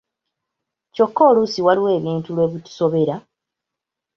Kyokka oluusi waliwo ebintu lwe bitusobera.